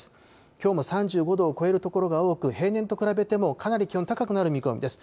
きょうも３５度を超える所が多く、平年と比べてもかなり気温高くなる見込みです。